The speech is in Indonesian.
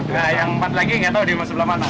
nah yang empat lagi gak tahu di sebelah mana